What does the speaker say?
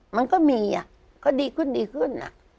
มันก็มีมันก็ดีขึ้น